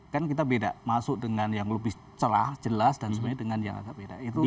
kan kita beda masuk dengan yang lebih cerah jelas dan sebenarnya dengan yang agak beda